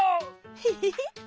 ヘヘヘ。